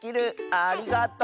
ありがとう。